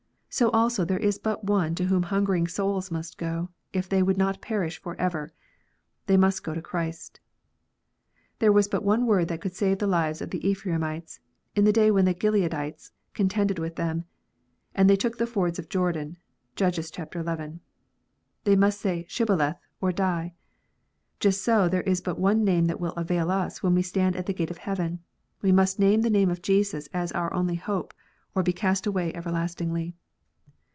So also there is but One to whom hungering souls must go, if they would not perish for ever : they must go to Christ. There was but one word that could save the lives of the Ephraimites in the day when the Gileadites contended with them, and took the fords of Jordan (Judges xi.) : they must say " Shibboleth," or die. Just so there is but one name that will avail us when we stand at the gate of heaven : we must name the name of Jesus as our only hope, or be cast away everlastingly.